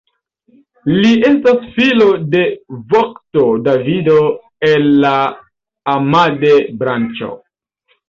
Li estas filo de vokto Davido el la Amade-branĉo.